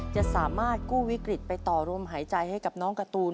จะสามารถกู้วิกฤตไปต่อลมหายใจให้กับน้องการ์ตูน